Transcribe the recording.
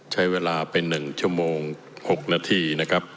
ใช้เวลาเป็น๑ชั่วโมง๖นาที